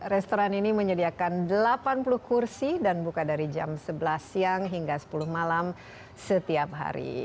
restoran ini menyediakan delapan puluh kursi dan buka dari jam sebelas siang hingga sepuluh malam setiap hari